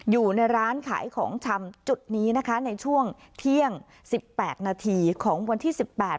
อยู่ในร้านขายของชำจุดนี้นะคะในช่วงเที่ยงสิบแปดนาทีของวันที่สิบแปด